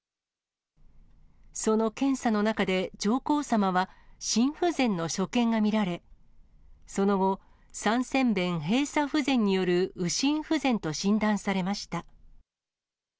その検査の中で、上皇さまは心不全の所見が見られ、その後、三尖弁閉鎖不全による右心不全と診断されました。